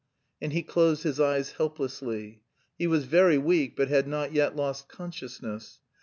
And he closed his eyes helplessly. He was very weak, but had not yet lost consciousness.